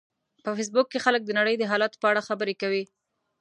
په فېسبوک کې خلک د نړۍ د حالاتو په اړه خبرې کوي